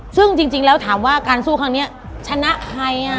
ซึ่งจริงแล้วถามว่าการสู้ครั้งนี้ชนะใคร